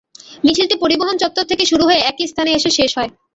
মিছিলটি পরিবহন চত্বর থেকে শুরু হয়ে একই স্থানে এসে শেষ হয়।